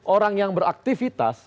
orang yang beraktifitas